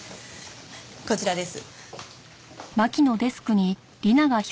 こちらです。